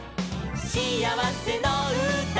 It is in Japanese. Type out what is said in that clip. しあわせのうた」